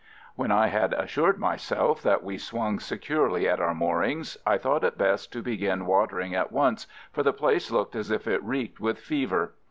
When I had assured myself that we swung securely at our moorings, I thought it best to begin watering at once, for the place looked as if it reeked with fever.